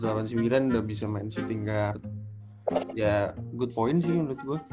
satu delapan puluh sembilan udah bisa main shooting card ya good point sih menurut gue